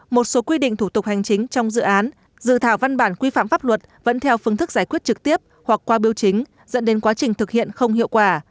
một số quy định thủ tục hành chính trong dự án dự thảo văn bản quy phạm pháp luật vẫn theo phương thức giải quyết trực tiếp hoặc qua biểu chính dẫn đến quá trình thực hiện không hiệu quả